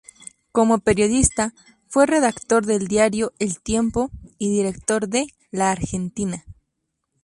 Como periodista, fue redactor del diario "El Tiempo", y director de "La Argentina".